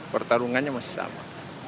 pertarungannya masih sama